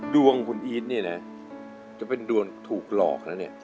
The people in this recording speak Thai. ดวงคุณอี๊ดนี่จะเป็นดวงถูกหลอกนั่นเนี่ย